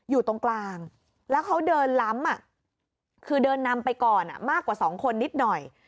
อยู่ตรงกลางแล้วเขาเดินล้ำคือเดินนำไปก่อนมากกว่า๒คนนิดหน่อย